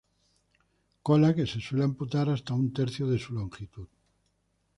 Cola que se suele amputar hasta un tercio de su longitud.